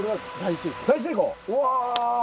大成功！